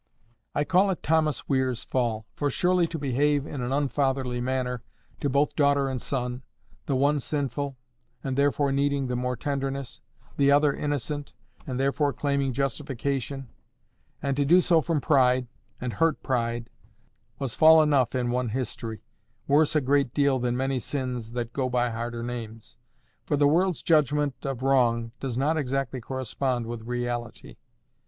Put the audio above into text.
I call it Thomas Weir's fall; for surely to behave in an unfatherly manner to both daughter and son—the one sinful, and therefore needing the more tenderness—the other innocent, and therefore claiming justification—and to do so from pride, and hurt pride, was fall enough in one history, worse a great deal than many sins that go by harder names; for the world's judgment of wrong does not exactly correspond with the reality.